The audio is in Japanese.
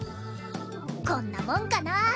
こんなもんかな。